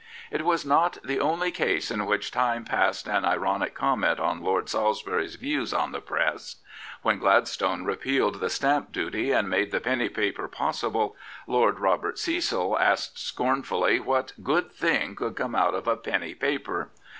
It was not the only case in which time passed an 9 * Lord Northcliffe ironic comment on Lord Salisbury's views on the Press. When Gladstone repeaJg^ stamp duty and made the penny paper possible. Lord Robert Cecil asked scornfully what good thing could come out of a penny paper.